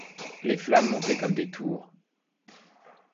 Les flammes montaient comme des tours.